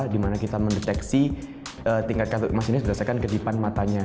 di mana kita mendeteksi tingkat kata masinis berdasarkan kedipan matanya